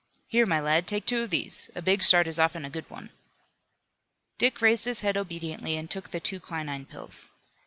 Here, my lad, take two of these. A big start is often a good one." Dick raised his head obediently and took the two quinine pills.